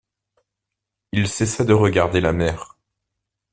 Il cessa de regarder la mer.